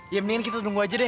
ya mendingan kita tunggu aja deh